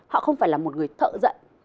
họ không phải là một người thợ dẫn